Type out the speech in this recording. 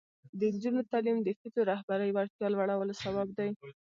د نجونو تعلیم د ښځو رهبري وړتیا لوړولو سبب دی.